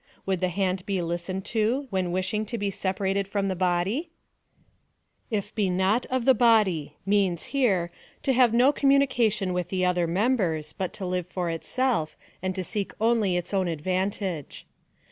Would the hand be listened to, when wishing to be separated from the body ? To he not of the body, means here — to have no communi cation with the other members, but to live for itself, and to seek only its own advantage.